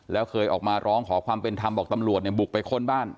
แล้วเคยออกมาร้องขอความเป็นธรรมบอกตำรวจเนี่ยบุกไปค้นบ้าน